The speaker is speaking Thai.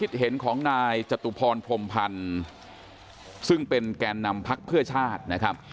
ซึ่งเป็นแกนนำพักเพื่อชาตินะครับ